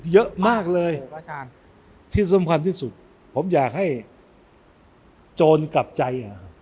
เยอะมากเลยที่สำคัญที่สุดผมอยากให้โจรกลับใจ